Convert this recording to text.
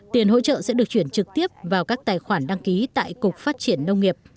tiền hỗ trợ sẽ được chuyển trực tiếp vào các tài khoản đăng ký tại cục phát triển nông nghiệp